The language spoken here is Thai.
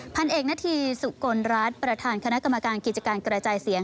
พันเอกนาธีสุกลรัฐประธานคณะกรรมการกิจการกระจายเสียง